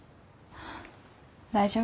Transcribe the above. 大丈夫。